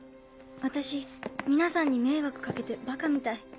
私皆さんに迷惑かけてバカみたい。